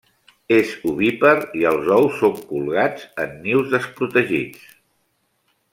És ovípar i els ous són colgats en nius desprotegits.